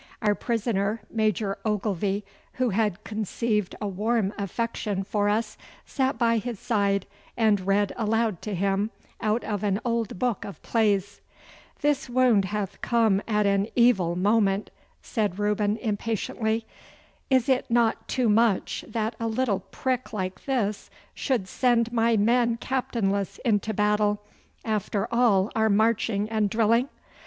Our prisoner, Major Ogilvy, who had conceived a warm affection for us, sat by his side and read aloud to him out of an old book of plays. 'This wound hath come at an evil moment,' said Reuben impatiently. 'Is it not too much that a little prick like this should send my men captainless into battle, after all our marching and drilling?